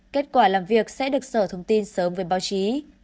kết quả làm việc sẽ được sở thông tin sớm với báo chí